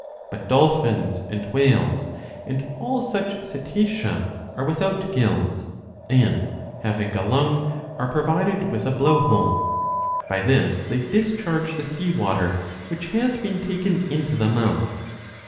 But dolphins and whales and all such Cetacea^® are without gills ; and, having a lung, are provided with a blow hole. By this they discharge the sea water which has been taken into the mouth.